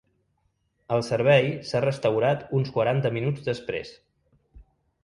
El servei s’ha restaurat uns quaranta minuts després.